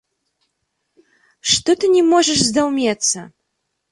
Што ты не можаш здаўмецца.